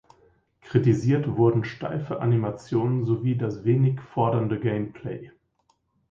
Kritisiert wurden steife Animationen sowie das wenig fordernde Gameplay.